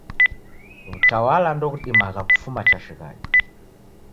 W'utawala ndoghudimagha kufuma chashighadi.